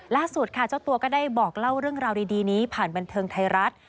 ล่าสุดค่ะเจ้าตัวก็ได้บอกเล่าเรื่องราวดีนี้ผ่านบันเทิงไทยรัฐ